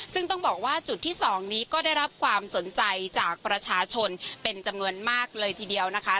ซึ่งต้องบอกว่าจุดที่๒นี้ก็ได้รับความสนใจจากประชาชนเป็นจำนวนมากเลยทีเดียวนะคะ